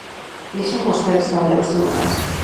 Deixen vostedes traballar os tribunais.